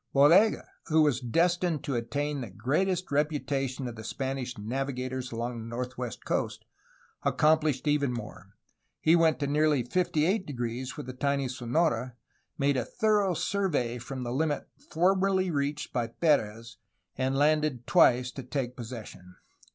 Bodega, w^ho was destined to attain to the greatest reputation of the Spanish navigators along the northwest coast, accomplished even more. He went nearly to 58° with the tiny Sonora, made a thorough survey from the hmit formerly reached by Perez, and landed twice to take possession.